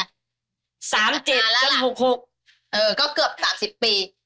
เออก็เกือบ๓๐ปี